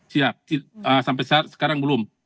siap sampai saat sekarang belum